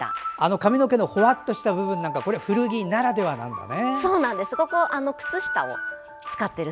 髪の毛のふわっとした部分なんか古着ならではなんだね。